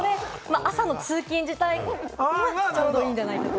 朝の通勤時間帯にちょうどいいんじゃないかと。